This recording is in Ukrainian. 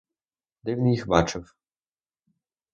Де він їх бачив?